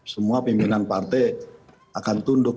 semua pimpinan partai akan tunduk